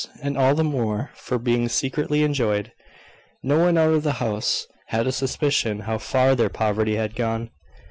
And all the more for being secretly enjoyed. No one out of the house had a suspicion how far their poverty had gone.